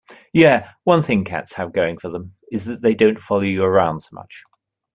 Yeah, one thing cats have going for them is that they don't follow you around so much.